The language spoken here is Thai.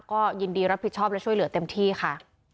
ก็ยินดีรับผิดชอบและช่วยเหลือเต็มที่ค่ะ